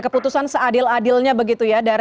keputusan seadil adilnya begitu ya